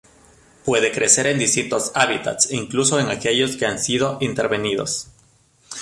Puede crecer en distintos hábitats, incluso en aquellos que han sido intervenidos.